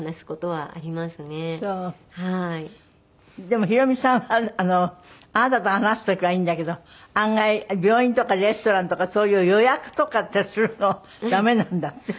でもヒロミさんはあなたと話す時はいいんだけど案外病院とかレストランとかそういう予約とかってするの駄目なんだって？